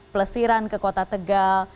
pelesiran ke kota tegal